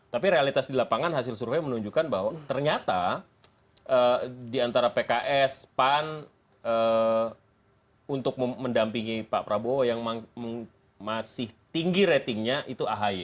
tapi realitas di lapangan hasil survei menunjukkan bahwa ternyata di antara pks pan untuk mendampingi pak prabowo yang masih tinggi ratingnya itu ahy